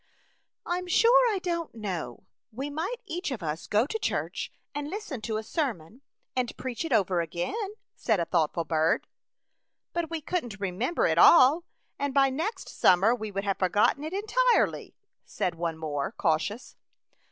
"I'm sure I don't know; we might A Chautauqua Idyl. Cj each of us go to church and listen to a sermon and preach it over again/* said a thoughtful bird. " But we couldn't remember it all, and by next summer we would have forgotten it entirely," said one more cautious.